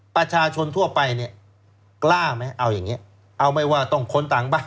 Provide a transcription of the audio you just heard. ประชาชนทั่วไปเนี่ยกล้าไหมเอาอย่างนี้เอาไหมว่าต้องคนต่างบ้าน